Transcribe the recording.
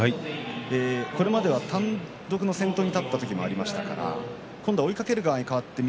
これまでは単独の先頭に立った時もありましたけれど追いかける側に変わって翠